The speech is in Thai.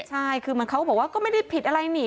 ใช่คือเหมือนเขาก็บอกว่าก็ไม่ได้ผิดอะไรนี่